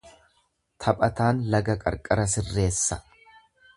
Taphataan laga qarqara sirreessa.